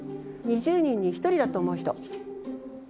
２０人に１人だと思う人？